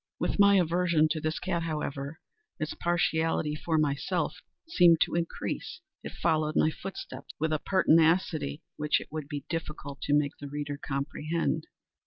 With my aversion to this cat, however, its partiality for myself seemed to increase. It followed my footsteps with a pertinacity which it would be difficult to make the reader comprehend.